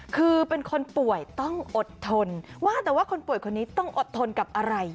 คือเป็นคนป่วยต้องอดทนว่าแต่ว่าคนป่วยคนนี้ต้องอดทนกับอะไร